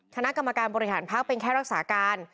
คณะกรรมการบริหารพักเป็นแค่รักษาการ